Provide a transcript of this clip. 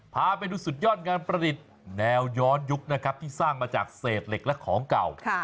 พาไปดูสุดยอดงานประดิษฐ์แนวย้อนยุคนะครับที่สร้างมาจากเศษเหล็กและของเก่า